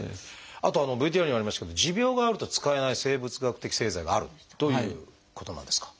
あとＶＴＲにもありましたけど持病があると使えない生物学的製剤があるということなんですか？